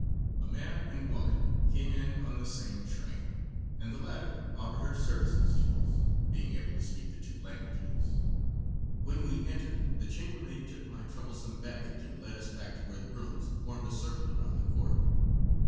A man and woman came in on the same train, and the latter offered her services to us, being able to speak the two languages. When we entered, the chambermaid took my troublesome baggage and led us back to where the rooms formed a circle around the court.